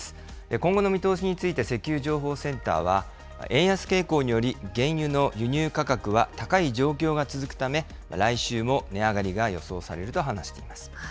今後の見通しについて、石油情報センターは、円安傾向により、原油の輸入価格は高い状況が続くため、来週も値上がりが予想されると話しています。